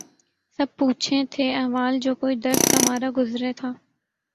سب پوچھیں تھے احوال جو کوئی درد کا مارا گزرے تھا